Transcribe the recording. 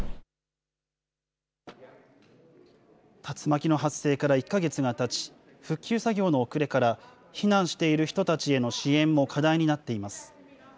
竜巻の発生から１か月がたち、復旧作業の遅れから、避難している人たちへの支援も課題になっています。